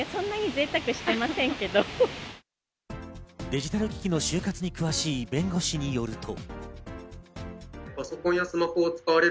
デジタル機器の終活に詳しい弁護士によると。